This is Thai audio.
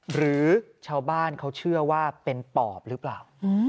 หรือชาวบ้านเขาเชื่อว่าเป็นปอบหรือเปล่า